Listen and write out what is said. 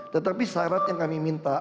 tetapi syarat yang kami minta